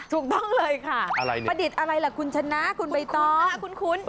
ถูกต้องเลยค่ะอะไรเนี่ยประดิษฐ์อะไรล่ะคุณชนะคุณใบต้องคุณคุ้นคุณคุ้น